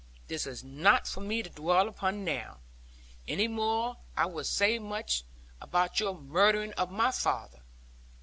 This is not for me to dwell upon now; any more than I would say much about your murdering of my father.